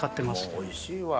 もうおいしいわ。